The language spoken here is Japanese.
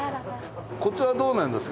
コツはどうなんですか？